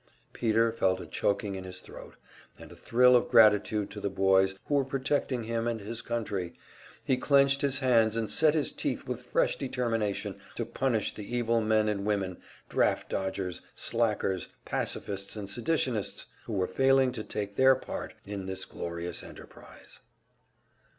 Peter felt a choking in his throat, and a thrill of gratitude to the boys who were protecting him and his country; he clenched his hands and set his teeth, with fresh determination to punish the evil men and women draft dodgers, slackers, pacifists and seditionists who were failing to take their part in this glorious emprise.